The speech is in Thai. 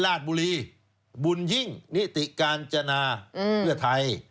ราชบุรีบุญยิ่งนิติกาญจนาเพื่อไทย